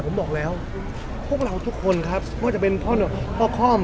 ผมบอกแล้วพวกเราทุกคนครับไม่ว่าจะเป็นพ่อคล่อม